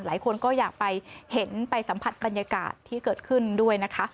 หลายคนก็อยากไปเห็นไปสัมผัสบรรยากาศที่เกิดขึ้นด้วยนะคะ